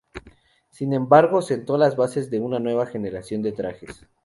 Sin embargo, sentó las bases de una nueva generación de trajes.